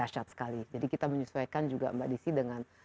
jadi kita juga menyesuaikan juga mbak dissi dengan